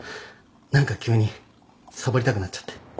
何か急にサボりたくなっちゃって